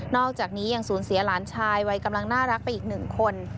อกจากนี้ยังสูญเสียหลานชายวัยกำลังน่ารักไปอีกหนึ่งคน